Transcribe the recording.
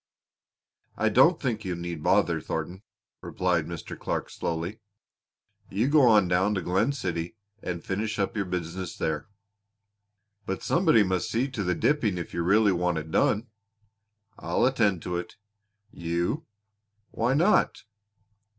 "I don't think you need bother, Thornton," remarked Mr. Clark slowly. "You go on down to Glen City and finish up your business there." "But somebody must see to the dipping if you really want it done." "I'll attend to it." "You!" "Why not?"